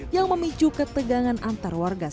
yang memicu ketegangan antar warga